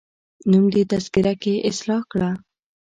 نوم دي تذکره کي اصلاح کړه